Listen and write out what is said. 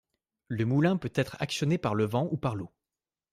Le moulin peut être actionné par le vent ou par l'eau.